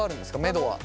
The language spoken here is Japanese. めどは。